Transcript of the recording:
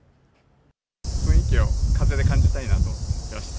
雰囲気を風で感じたいなと思って来ました。